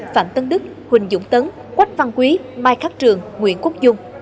phạm tấn đức huỳnh dũng tấn quách văn quý mai khắc trường nguyễn quốc dung